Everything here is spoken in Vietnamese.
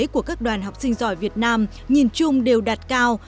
của các đoàn học sinh giỏi việt nam nhìn chung đều đạt cao